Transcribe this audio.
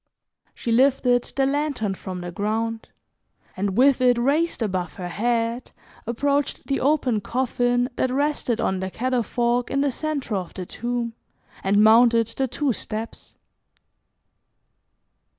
She lifted the lantern from the ground, and, with it raised above her head, approached the open coffin that rested on the catafalque in the centre of the tomb and mounted the two steps.